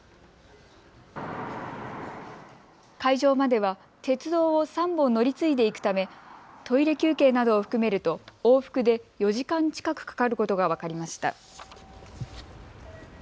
会場までは鉄道３本乗り継いで行くためトイレ休憩などを含めると往復で４時間近くかかることが分かりました。